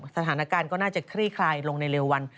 สถานการณ์ก็น่าจะคลี่คลายลงในเร็ววัน